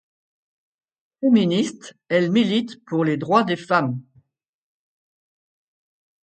Féministe, elle milite pour les droits des femmes.